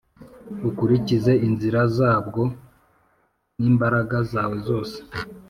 ukurikize inzira zabwo n’imbaraga zawe zose